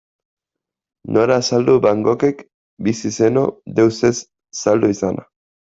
Nola azaldu Van Goghek, bizi zeno, deus ez saldu izana?